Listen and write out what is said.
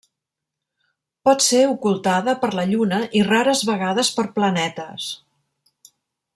Pot ser ocultada per la Lluna i rares vegades per planetes.